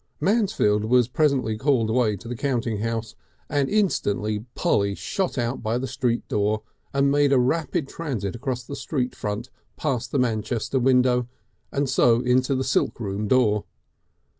Mansfield was presently called away to the counting house, and instantly Polly shot out by the street door, and made a rapid transit along the street front past the Manchester window, and so into the silkroom door.